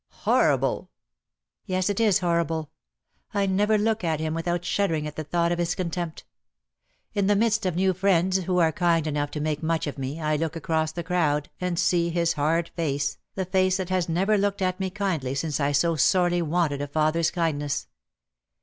"Horrible!" "Yes, it is horrible. I never look at him without shuddering at the thought of his contempt. In the midst of new friends who are kind enough to make much of me, I look across the crowd, and see his hard face, the face that has never looked at me kindly since I so sorely wanted a father's kindness.